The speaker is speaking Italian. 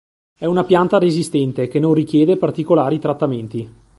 È una pianta resistente che non richiede particolari trattamenti.